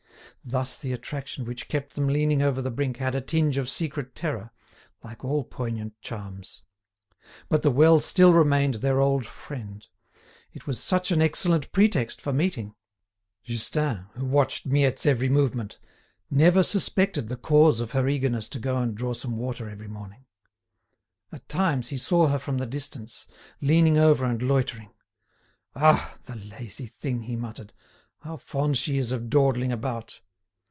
Thus the attraction which kept them leaning over the brink had a tinge of secret terror, like all poignant charms. But the well still remained their old friend. It was such an excellent pretext for meeting! Justin, who watched Miette's every movement, never suspected the cause of her eagerness to go and draw some water every morning. At times, he saw her from the distance, leaning over and loitering. "Ah! the lazy thing!" he muttered; "how fond she is of dawdling about!"